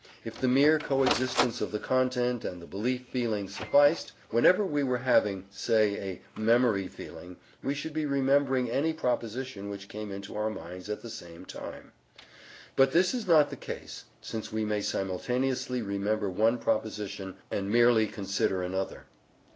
If the mere co existence of the content and the belief feeling sufficed, whenever we were having (say) a memory feeling we should be remembering any proposition which came into our minds at the same time. But this is not the case, since we may simultaneously remember one proposition and merely consider another.